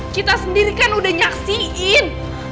kita sendiri kan udah nyaksiin